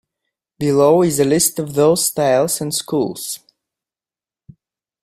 Below is a list of those styles and schools.